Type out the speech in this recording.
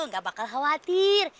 gak bakal khawatir